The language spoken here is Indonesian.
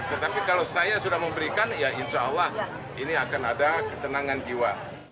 tetapi kalau saya sudah memberikan ya insya allah ini akan ada ketenangan jiwa